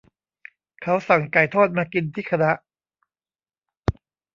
เขาสั่งไก่ทอดมากินที่คณะ